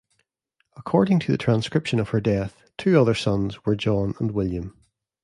According to the transcription of her death, two other sons were John and William.